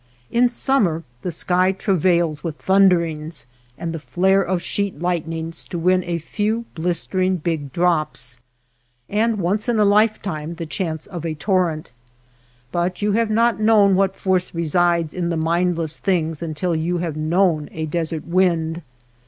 In summer the sky travails with thunderings and the flare of sheet lightnings to win a few blistering big drops, and once in a lifetime the chance of a torrent. But you have not known what force resides in the mindless things until you have known a desert wind.